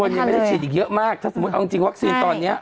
ยังไม่ได้ฉีดอีกเยอะมากถ้าสมมุติเอาจริงวัคซีนตอนนี้